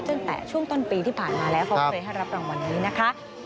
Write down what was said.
ตั้งแต่ช่วงต้นปีที่ผ่านมาแล้วเขาเคยให้รับรางวัลนี้นะคะ